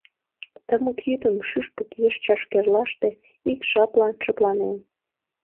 Тымык йӱдым Шӱшпык еш чашкерлаште Ик жаплан шыпланен.